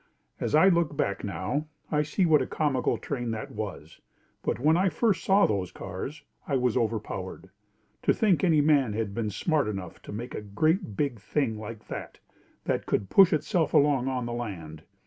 As I look back now, I see what a comical train that was, but when I first saw those cars, I was overpowered. To think any man had been smart enough to make a great big thing like that, that could push itself along on the land.